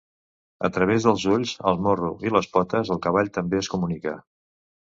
A través dels ulls, el morro i les potes el cavall també es comunica.